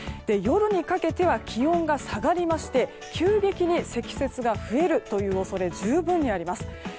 夜にかけては気温が下がりまして急激に積雪が増える恐れが十分にあります。